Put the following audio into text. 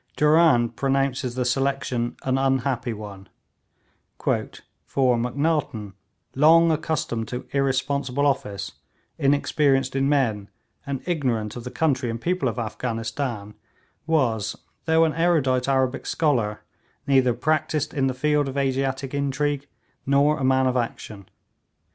Durand pronounces the selection an unhappy one, 'for Macnaghten, long accustomed to irresponsible office, inexperienced in men, and ignorant of the country and people of Afghanistan, was, though an erudite Arabic scholar, neither practised in the field of Asiatic intrigue nor a man of action.